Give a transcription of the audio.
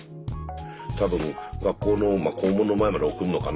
多分学校の校門の前まで送るのかな。